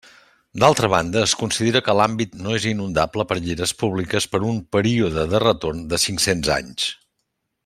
D'altra banda, es considera que l'àmbit no és inundable per lleres públiques per un període de retorn de cinc-cents anys.